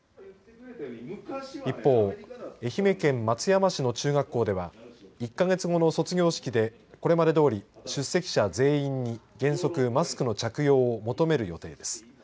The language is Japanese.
一方、愛媛県松山市の中学校では１か月後の卒業式でこれまでどおり出席者全員に原則マスクの着用を求める予定です。